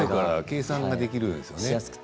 計算ができるんですよね。